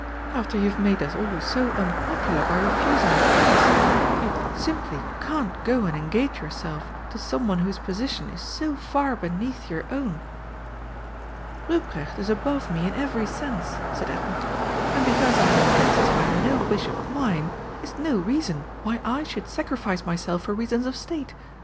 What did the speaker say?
"After you've just made us all so unpopular by refusing a Prince, you simply can't go and engage yourself to some one whose position is so far beneath your own!" "Ruprecht is above me in every sense," said Edna; "and because I'm a Princess by no wish of mine is no reason why I should sacrifice myself for reasons of state.